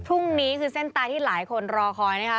พรุ่งนี้คือเส้นตายที่หลายคนรอคอยนะคะ